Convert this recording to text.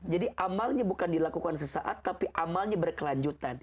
jadi amalnya bukan dilakukan sesaat tapi amalnya berkelanjutan